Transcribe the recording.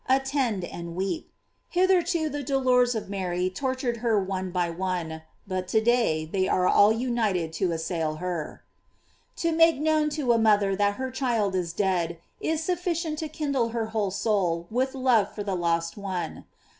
Attend and weep. Hitherto the dolors of Mary tortured her one by one, but to day they are all united to assail her. To make known to a mother that her child is dead, is sufficient to kindle her whole soul with love for the lost one.